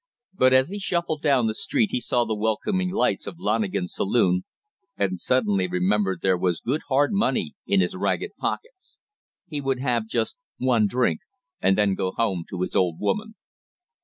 But as he shuffled down the street he saw the welcoming lights of Lonigan's saloon and suddenly remembered there was good hard money in his ragged pockets. He would have just one drink and then go home to his old woman.